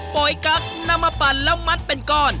ยกั๊กนำมาปั่นแล้วมัดเป็นก้อน